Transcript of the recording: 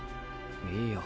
いいよ。